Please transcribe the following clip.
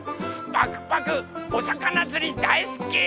パクパクおさかなつりだいすき！